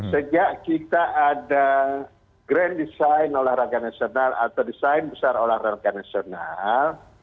sejak kita ada grand design olahraga nasional atau desain besar olahraga nasional